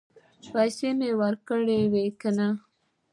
پیسې مې راکړې که نه؟